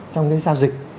trong cái giao dịch